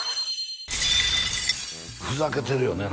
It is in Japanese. ふざけてるよね